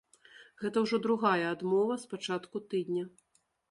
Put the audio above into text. Гэта ўжо другая адмова з пачатку тыдня.